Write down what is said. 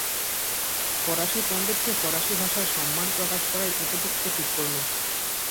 ফরাসী পণ্ডিতকে ফরাসী ভাষায় সম্মান প্রকাশ করাই উপযুক্ত ঠিক করল।